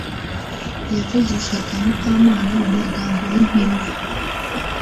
yavugishaga Mukamana mu magambo y'impine